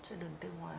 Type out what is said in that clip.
cho đường tiêu hóa